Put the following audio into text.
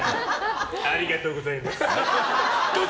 ありがとうございますっ。